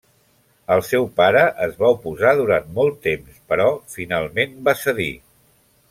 El seu pare es va oposar durant molt temps, però finalment va cedir.